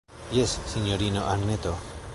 Jes, sinjorino Anneto.